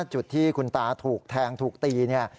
จุดที่คุณตาถูกแทงถูกตีเนี่ย